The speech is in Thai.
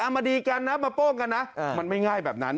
มาดีกันนะมาโป้งกันนะมันไม่ง่ายแบบนั้น